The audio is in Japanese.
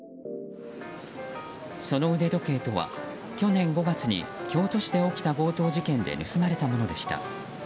その腕時計とは、去年５月に京都市で起きた強盗事件で盗まれたものでした。